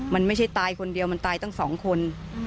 มันไม่ใช่ตายคนเดียวมันตายตั้ง๒คน